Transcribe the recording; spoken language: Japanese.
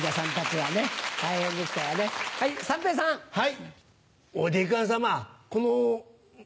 はい。